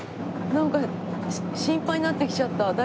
なんか心配になってきちゃった。